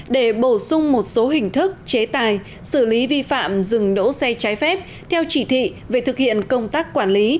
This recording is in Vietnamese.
để bổ sung một số hình thức chế tài xử lý vi phạm dừng đỗ xe trái phép theo chỉ thị về thực hiện công tác quản lý